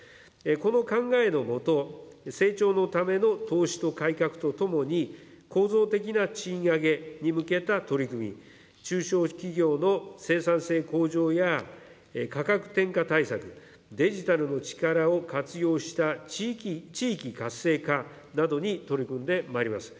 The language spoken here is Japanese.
この考えの下、成長のための投資と改革とともに、構造的な賃上げに向けた取り組み、中小企業の生産性向上や、価格転嫁対策、デジタルの力を活用した地域活性化などに取り組んでまいります。